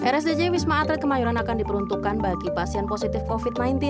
rsdc wisma atlet kemayoran akan diperuntukkan bagi pasien positif covid sembilan belas